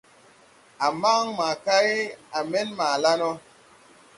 A man maa kay, a men maa la no.